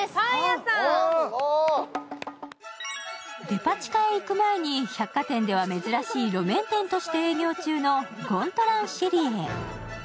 デパ地下へ行く前に百貨店では珍しい路面店として営業中のゴントランシェリエ。